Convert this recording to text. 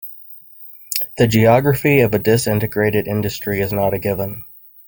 The geography of a disintegrated industry is not a given.